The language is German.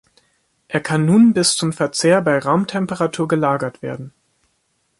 Er kann nun bis zum Verzehr bei Raumtemperatur gelagert werden.